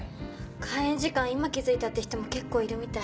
開演時間今気付いたって人も結構いるみたい。